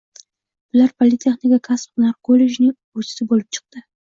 Bular Politexnika kasb-hunar kollejining oʻquvchisi boʻlib chiqdi.